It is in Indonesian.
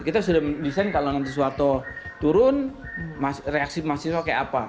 kita sudah desain kalau nanti suarto turun reaksi mas siwa kayak apa